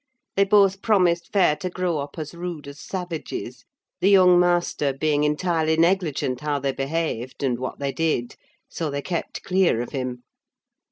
They both promised fair to grow up as rude as savages; the young master being entirely negligent how they behaved, and what they did, so they kept clear of him.